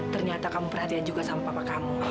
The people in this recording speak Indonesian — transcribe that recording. ternyata kamu perhatian juga sama papa kamu